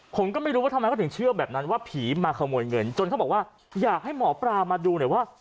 ผมก็ไม่รู้ว่าทำไมเขาถึงเชื่อแบบนั้นว่าผีมาขโมยเงินจนเขาบอกว่าอยากให้หมอปลามาดูหน่อยว่า